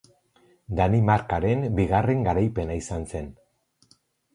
Danimarkaren bigarren garaipena izan zen.